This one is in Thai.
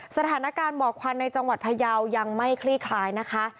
สถานการณ์หมอกควันในจังหวัดพยาวยังไม่คลี่คลายนะคะ